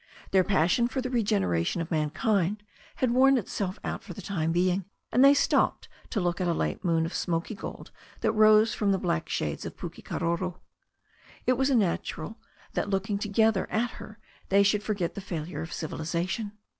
Their passion for the regenera tion of mankind had worn itself out for the time being, and they stopped to look at a late moon of smoky gold that rose from the black shades of Pukekaroro. It was natural that looking together at her they should forget the failure of civilization.